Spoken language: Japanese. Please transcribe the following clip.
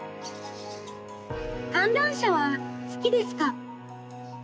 観覧車は好きですか？